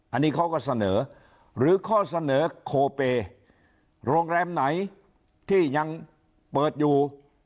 อันนี้เขาก็เสนอหรือข้อเสนอโคเปย์โรงแรมไหนที่ยังเปิดอยู่